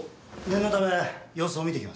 念のため様子を見てきます。